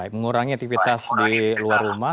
mengurangi aktivitas di luar rumah